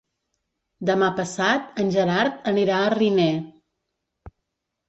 Demà passat en Gerard anirà a Riner.